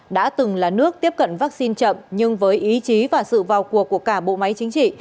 đã từng là nước tiếp cận vaccine chậm nhưng với ý chí và sự vào cuộc của cả bộ máy chính trị